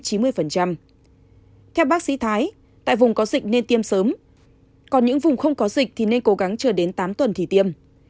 theo bác sĩ thái tại vùng có dịch nên tiêm sớm còn những vùng không có dịch thì nên cố gắng chờ đến tám tuần thì tiêm